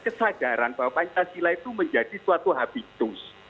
kesadaran bahwa pancasila itu menjadi suatu habitus